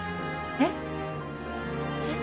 えっ？